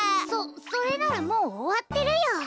そそれならもうおわってるよ。